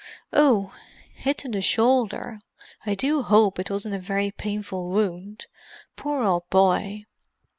"Oh—hit in the shoulder. I do hope it wasn't a very painful wound—poor old boy.